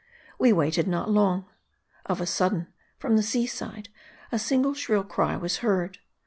We waited not long. Of a sudden, from the sea side, a single shrill cry was heard.